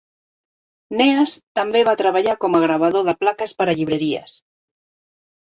Kneass també va treballar com a gravador de plaques per a llibreries.